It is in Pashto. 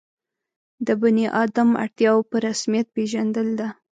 د بني آدم اړتیاوو په رسمیت پېژندل ده.